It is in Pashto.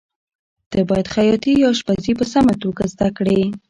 ته باید خیاطي یا اشپزي په سمه توګه زده کړې.